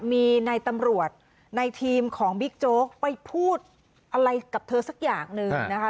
มีในตำรวจในทีมของบิ๊กโจ๊กไปพูดอะไรกับเธอสักอย่างหนึ่งนะคะ